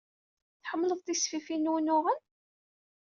Tḥemmled tisfifin n wunuɣen?